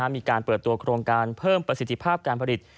มีการเปิดตัวโครงการเพิ่มประสิทธิภาพการผลิต